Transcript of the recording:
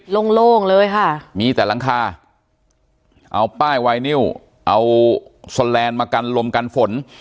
โล่งโล่งเลยค่ะมีแต่หลังคาเอาป้ายวายนิ้วเอามากันลมกันฝน